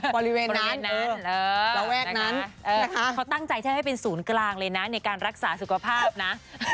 เขาตั้งใจให้เป็นศูนย์กลางเลยนะในการรักษาสุขภาพนะ